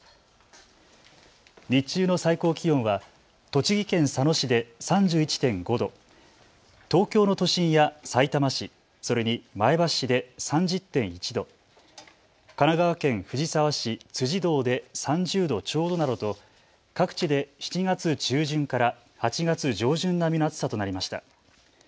日中の最高気温は栃木県佐野市で３１．５度、東京の都心やさいたま市、それに前橋市で３０．１度、神奈川県藤沢市辻堂で３０度ちょうどなどと各地で７月中旬から８月上旬並みの暑さとなりました。